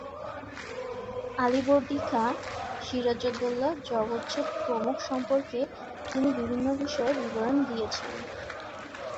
আলীবর্দী খাঁ, সিরাজউদ্দৌলা, জগৎ শেঠ প্রমুখ সম্পর্কে তিনি বিভিন্ন বিষয়ে বিবরণ দিয়েছেন।